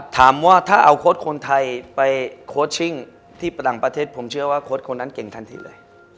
ถามว่าถ้าเอาโค้ดคนไทยไปโค้ชชิ่งที่ต่างประเทศผมเชื่อว่าโค้ดคนนั้นเก่งทันทีเลย